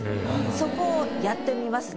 そこをやってみますね。